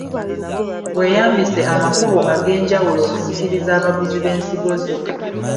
Weeyambise amakubo ag’enjawulo okusikiriza abaguzi b’ensigo zo.